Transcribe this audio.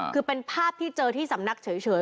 คือเป็นภาพที่เจอที่สำนักเฉย